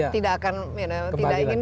tidak akan tidak ingin